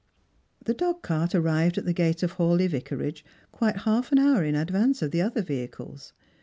The dogcart arrived at the gate of Hawleigh Vicarage quite half an hour in advance of the other vehicles.